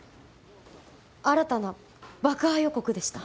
新たな爆破予告でした。